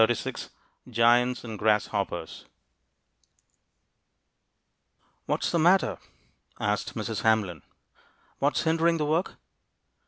BICKERS GIANTS AND GRASSHOPPERS "What is the matter?" asked Mrs. Hamlin. "What is hindering the work?"